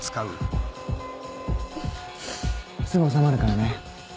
すぐ治まるからね。